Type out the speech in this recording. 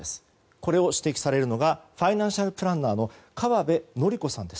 これを指摘されるのがファイナンシャルプランナーの川部紀子さんです。